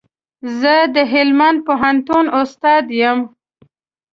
زه د هلمند پوهنتون استاد يم